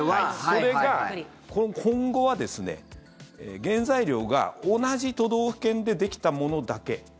それが今後は、原材料が同じ都道府県でできたものだけ。